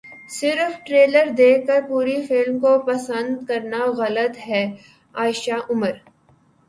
صرف ٹریلر دیکھ کر پوری فلم کو ناپسند کرنا غلط ہے عائشہ عمر